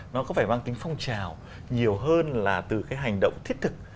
nó có phải mang tính phong trào nhiều hơn là từ cái hành động thiết thực